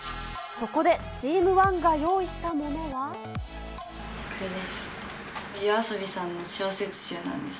そこで、チーム１が用意したこれです。